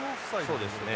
そうですね。